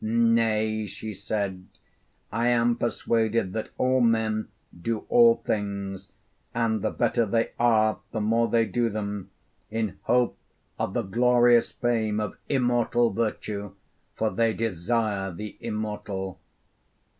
Nay,' she said, 'I am persuaded that all men do all things, and the better they are the more they do them, in hope of the glorious fame of immortal virtue; for they desire the immortal.